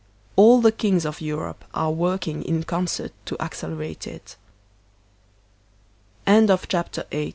All the kings of Europe are working in concert to accelerate it CHAPTER IX.